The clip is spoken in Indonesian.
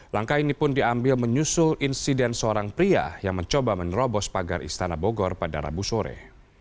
langkah ini pun diambil menyusul insiden seorang pria yang mencoba menerobos pagar istana bogor pada rabu sore